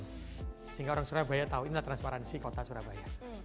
sehingga orang surabaya tahu ini adalah transparansi kota surabaya